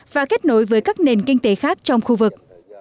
và kết nối với các nền kinh tế khác trong khu vực